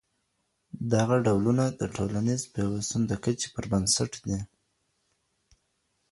دغه ډولونه د ټولنيز پيوستون د کچي پر بنسټ دي.